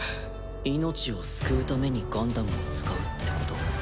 命を救うためにガンダムを使うってこと？